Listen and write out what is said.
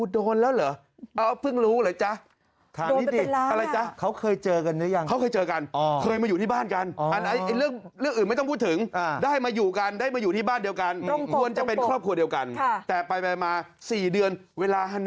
ที่ลืมร้อยแล้ว